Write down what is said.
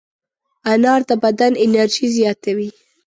انار د بدن انرژي زیاتوي.